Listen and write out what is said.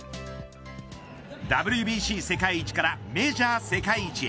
ＷＢＣ世界一からメジャー世界一へ。